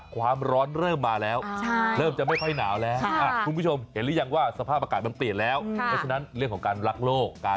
คนละไม้คนละมือช่วยกันทำ